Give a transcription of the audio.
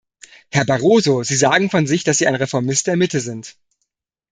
Herr Barroso, Sie sagen von sich, dass Sie ein Reformist der Mitte sind.